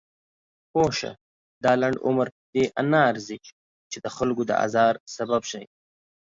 پوهه شه! دا لنډ عمر پدې نه ارزي چې دخلکو د ازار سبب شئ.